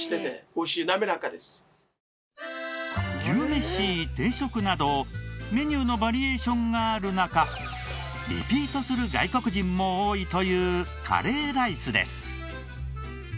牛めし定食などメニューのバリエーションがある中リピートする外国人も多いというカレーライスです。